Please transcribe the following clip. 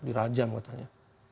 di rajam katanya